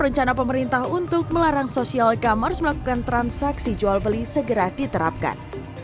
rencana pemerintah untuk melarang sosial commerce melakukan transaksi jual beli segera diterapkan